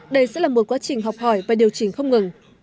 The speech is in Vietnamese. đây sẽ là một quá trình học hỏi và điều chỉnh không ngừng